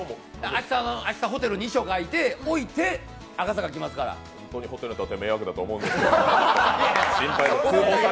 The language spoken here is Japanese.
明日、ホテルに遺書書いて、置いて赤坂に来ますから。ホントにホテルの人は迷惑だと思うんですけど。